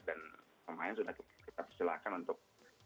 dan pemain sudah disilakan untuk